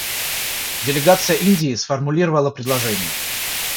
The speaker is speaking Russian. Делегация Индии сформулировала предложение.